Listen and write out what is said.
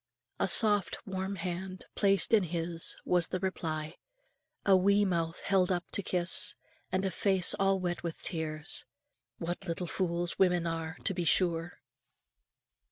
A soft warm hand placed in his, was the reply; a wee mouth held up to kiss, and a face all wet with tears. What little fools women are, to be sure!